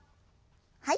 はい。